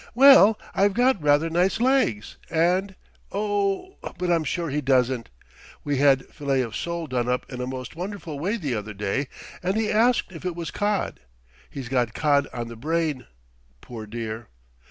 "Well, I've got rather nice legs, and Oh! but I'm sure he doesn't. We had fillets of sole done up in a most wonderful way the other day, and he asked if it was cod. He's got cod on the brain, poor dear."